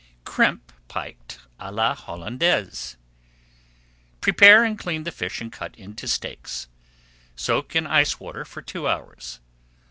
CRIMPED PIKE À LA HOLLANDAISE Prepare and clean the fish and cut into steaks. Soak in ice water for two hours.